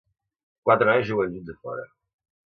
Quatre nois juguen junts a fora.